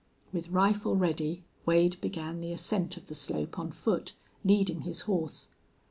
With rifle ready Wade began the ascent of the slope on foot, leading his horse.